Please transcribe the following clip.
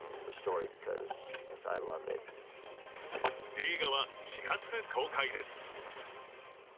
映画は４月公開です。